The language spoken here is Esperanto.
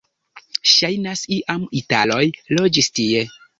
Ŝajnas, iam italoj loĝis tie.